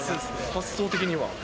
発想的には。